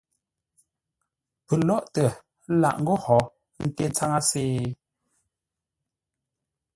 Pəlóghʼtə lâʼ ńgó hó ńté tsáŋə́se?